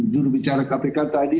jurubicara kpk tadi